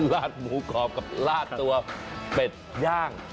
ราชหมูกรอบกับราชป็ดย่าง